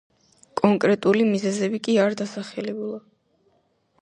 კონკრეტული მიზეზები კი არ დასახელებულა.